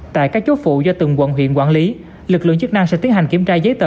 tại các chốt phụ do từng quận huyện quản lý lực lượng chức năng sẽ tiến hành kiểm tra giấy tờ